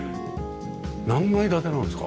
何階建てなんですか？